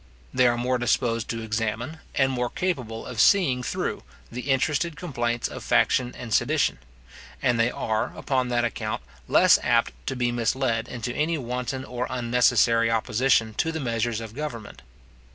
They are more disposed to examine, and more capable of seeing through, the interested complaints of faction and sedition; and they are, upon that account, less apt to be misled into any wanton or unnecessary opposition to the measures of government.